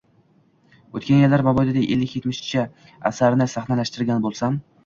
— O‘tgan yillar mobaynida ellik-yetmishtacha asarni sahnalashtirgan bo‘lsam